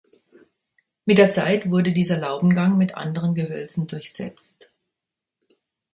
Mit der Zeit wurde dieser Laubengang mit anderen Gehölzen durchsetzt.